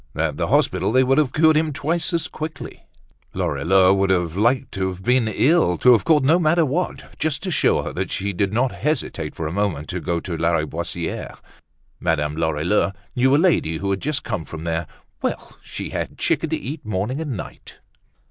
At the hospital they would have cured him twice as quickly. Lorilleux would have liked to have been ill, to have caught no matter what, just to show her that he did not hesitate for a moment to go to Lariboisiere. Madame Lorilleux knew a lady who had just come from there. Well! She had had chicken to eat morning and night.